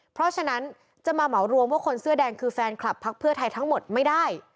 เพราะฉะนั้นจะมาเหมารวมว่าคนเสื้อแดงคือแฟนคลับพักเพื่อไทยทั้งหมดไม่ได้